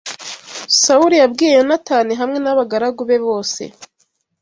Sawuli yabwiye Yonatani hamwe n’abagaragu be bose